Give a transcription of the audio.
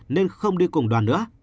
nên không đi cùng đoàn nữa